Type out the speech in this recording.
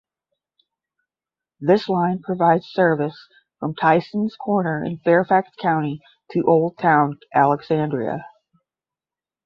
This line provides service from Tysons Corner in Fairfax County to Old Town Alexandria.